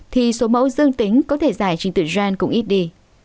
thì số mẫu dương tính có thể dài trình tuyển gian cũng ít đi